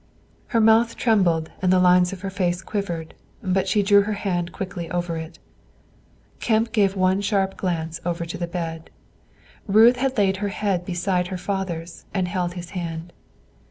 Her mouth trembled and the lines of her face quivered, but she drew her hand quickly over it. Kemp gave one sharp glance over to the bed; Ruth had laid her head beside her father's and held his hand.